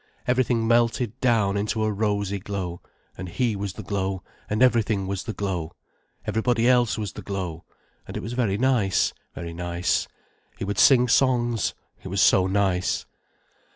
Everything melted down into a rosy glow, and he was the glow, and everything was the glow, everybody else was the glow, and it was very nice, very nice. He would sing songs, it was so nice.